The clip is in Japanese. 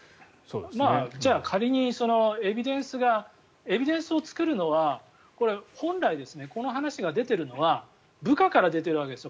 じゃあ、仮にエビデンスがエビデンスを作るのはこれは本来この話が出ているのは部下から出ているわけですよ。